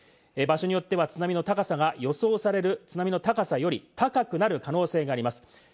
場所によっては津波の高さが予想される津波の高さより高くなる可能性があります。